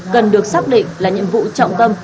cần được xác định là nhiệm vụ trọng tâm